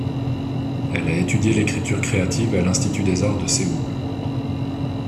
Elle a étudié l'écriture créative à l'Institut des Arts de Séoul.